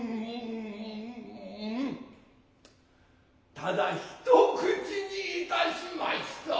ただひと口にいたしました。